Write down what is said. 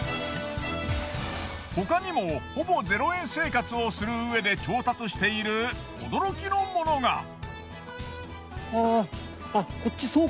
他にもほぼ０円生活をするうえで調達している驚きのものが。